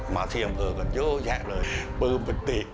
ที่อำเภอกันเยอะแยะเลยปืนปิติ